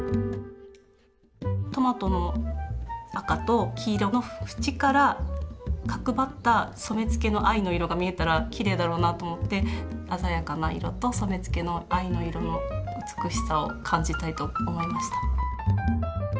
トマトの赤と黄色の縁から角ばった染付の藍の色が見えたらきれいだろうなと思って鮮やかな色と染付の藍の色の美しさを感じたいと思いました。